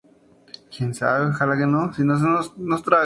Nunca va al comienzo de la palabra y siempre sigue a vocal.